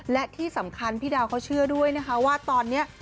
และที่สำคัญพี่ดาวเขาเชื่อด้วยนะคะว่าตอนนี้